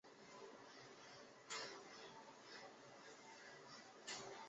前肢的第三指也随者时间而逐渐缩小。